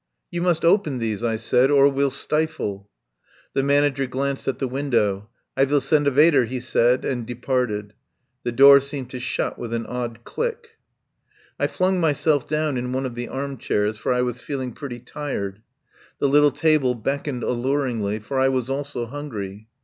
"You must open these," I said, "or we'll stifle." The manager glanced at the window. "I vill send a waiter," he said, and departed. The door seemed to shut with an odd click. I flung myself down in one of the arm chairs, for I was feeling pretty tired. The little table beckoned alluringly, for I was also hungry.